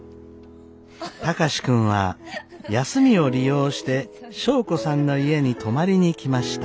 貴司君は休みを利用して祥子さんの家に泊まりに来ました。